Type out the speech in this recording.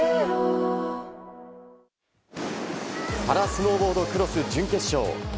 パラスノーボードクロス準決勝。